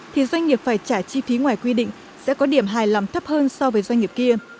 thì doanh nghiệp phải trả chi phí ngoài quy định sẽ có điểm hài lòng thấp hơn so với doanh nghiệp kia